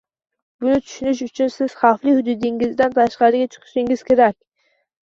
Buni tushinish uchun siz xavfsiz hududingizdan tashqariga chiqishingiz kerak